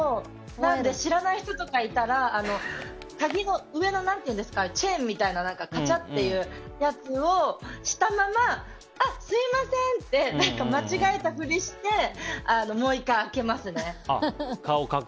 なので知らない人とかいたら鍵の上のチェーンみたいなカチャっていうやつをしたまま、すみませんって間違えたふりしてもう１回開けますね。